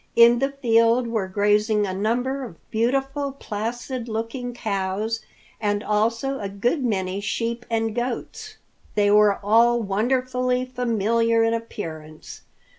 In the field were grazing a number of beautiful, placid looking cows and also a good many sheep and goats. They were all wonderfully familiar in appearance.